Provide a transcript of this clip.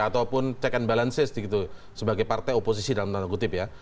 ataupun check and balances gitu sebagai partai oposisi dalam tanda kutip ya